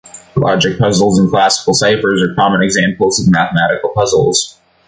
Logic puzzles and classical ciphers are common examples of mathematical puzzles.